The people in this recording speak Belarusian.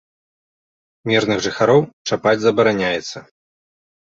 Мірных жыхароў чапаць забараняецца.